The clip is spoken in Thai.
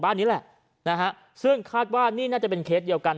นี้แหละนะฮะซึ่งคาดว่านี่น่าจะเป็นเคสเดียวกัน